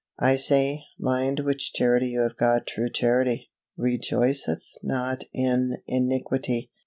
I say, mind which Charity you have got True Charity, rejoiceth not in iniquity.